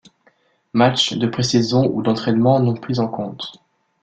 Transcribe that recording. Matchs de pré-saison ou d'entraînements non pris en compte.